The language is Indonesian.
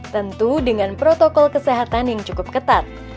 tentu dengan protokol kesehatan yang cukup ketat